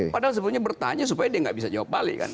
padahal sebetulnya bertanya supaya dia nggak bisa jawab balik kan